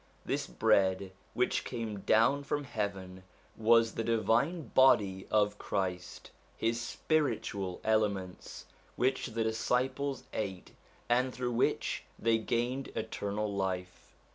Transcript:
This bread which came down from heaven was the divine body of Christ, his spiritual elements, which the disciples ate, and through which they gained eternal life.